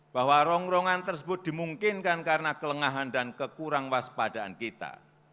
bahwa rongrongan tersebut dimungkinkan karena kelengahan dan kekurangwaspadaan kita